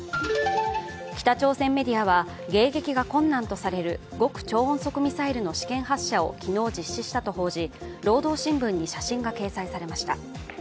北朝鮮メディアは迎撃が困難とされる極超音速ミサイルの試験発射を昨日実施したと報じ、「労働新聞」に写真が掲載されました。